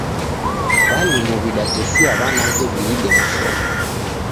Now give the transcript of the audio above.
W'alimu w'idatesia w'anake w'iide mashomo.